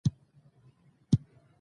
،دهندي سبک ځانګړتياوې،